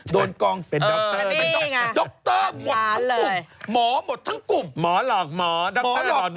กองเป็นดรดรหมดทั้งกลุ่มหมอหมดทั้งกลุ่มหมอหลอกหมอหลอกนะ